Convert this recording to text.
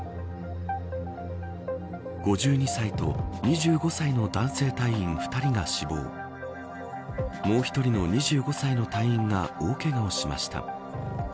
５２歳と２５歳の男性隊員２人が死亡もう１人の２５歳の隊員が大けがをしました。